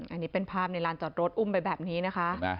อันนี้เป็นภาพในลานจอดรถอุ้มไปแบบนี้นะคะ